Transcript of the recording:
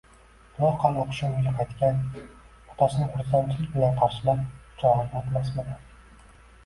Loaqal oqshom uyga qaytgan otasini xursandlik bilan qarshilab, quchog'iga otilmasmidi?!